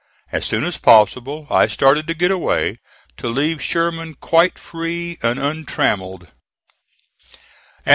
As soon as possible I started to get away, to leave Sherman quite free and untrammelled.